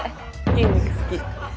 筋肉好き。